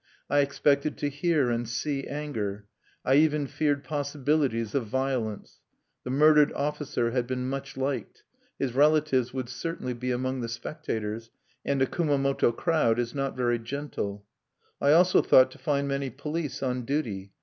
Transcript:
I expected to hear and see anger; I even feared possibilities of violence. The murdered officer had been much liked; his relatives would certainly be among the spectators; and a Kumamoto crowd is not very gentle. I also thought to find many police on duty.